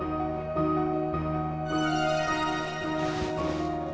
apa boleh pak